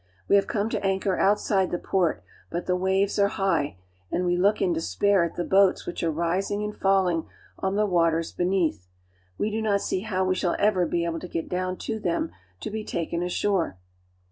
We have come to anchor outside the port, but the waves are high, and we look in despair at the boats which are rising and falling on the waters beneath. We do not see how we shall ever be able to get down to them to be taken ashore.